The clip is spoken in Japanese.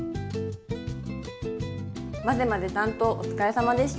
まぜまぜ担当お疲れさまでした。